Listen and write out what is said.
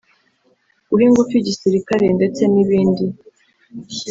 guha ingufu igisirikare ndetse n’ibindi